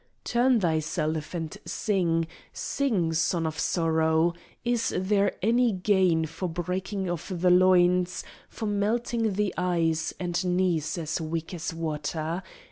Turn thyself, and sing Sing, Son of Sorrow! Is there any gain For breaking of the loins, for melting eyes, And knees as weak as water?